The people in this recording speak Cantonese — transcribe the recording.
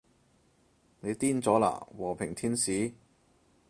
你癲咗喇，和平天使